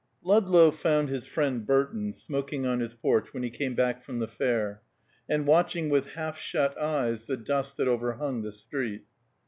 Ludlow found his friend Burton smoking on his porch when he came back from the fair, and watching with half shut eyes the dust that overhung the street.